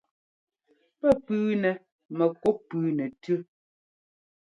Pɛ́ pʉʉnɛ mɛkup pʉʉ nɛ́ tʉ́.